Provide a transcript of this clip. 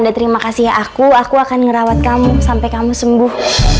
udah terima kasih aku aku akan ngerawat kamu sampe kamu sembuh